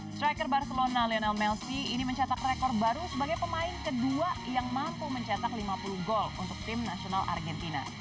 striker barcelona lionel melsi ini mencetak rekor baru sebagai pemain kedua yang mampu mencetak lima puluh gol untuk tim nasional argentina